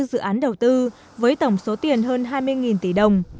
một mươi bốn dự án đầu tư với tổng số tiền hơn hai mươi tỷ đồng